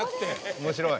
面白い！